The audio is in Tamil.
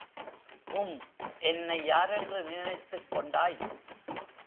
உம் என்னை யாரென்று நினைத்துக் கொண்டாய்!